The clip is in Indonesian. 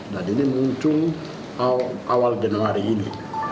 dan ini muncul awal januari ini